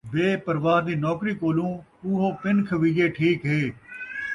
بے پرواہ دی نوکری کولوں، اوہو پِن کھویجے ٹھیک ہے